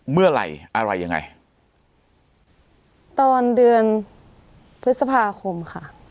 เมื่อไหร่อะไรยังไงตอนเดือนพฤษภาคมค่ะ